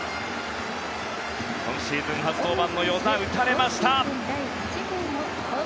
今シーズン初登板の與座打たれました。